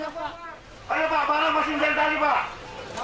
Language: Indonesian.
ayo pak barang masih menjauh tadi pak